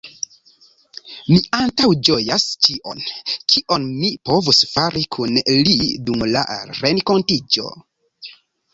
Mi antaŭĝojas ĉion, kion mi povus fari kun li dum la renkontiĝo.